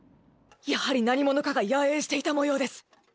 やはり何者かが野営していたもようです。